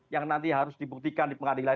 yang nanti harus dibuktikan di pengadilan